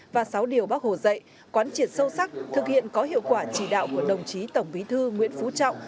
và sáu điều bác hồ dạy quán triệt sâu sắc thực hiện có hiệu quả chỉ đạo của đồng chí tổng bí thư nguyễn phú trọng